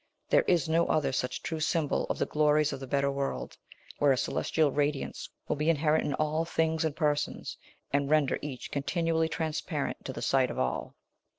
There is no other such true symbol of the glories of the better world, where a celestial radiance will be inherent in all things and persons, and render each continually transparent to the sight of all."